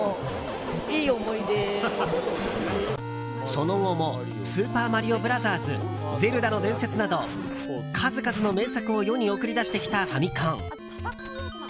その後も「スーパーマリオブラザーズ」「ゼルダの伝説」など数々の名作を世に送り出してきたファミコン。